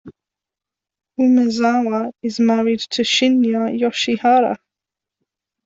Umezawa is married to Shinya Yoshihara.